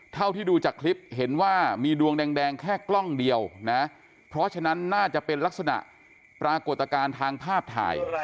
เท่าที่ดูจากคลิปเห็นว่ามีดวงแดงแค่กล้องเดียวนะเพราะฉะนั้นน่าจะเป็นลักษณะปรากฏการณ์ทางภาพถ่าย